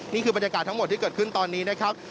นี่คือบรรยากาศทั้งหมดที่เกิดขึ้นตอนนี้นะครับ